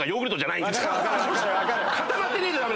固まってねえと駄目。